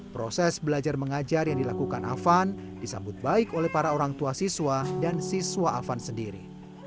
proses belajar mengajar yang dilakukan afan disambut baik oleh para orang tua siswa dan siswa afan sendiri